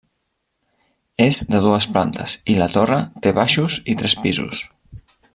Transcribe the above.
És de dues plantes i la torre té baixos i tres pisos.